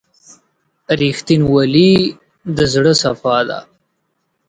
• رښتینولي د زړه صفا ده.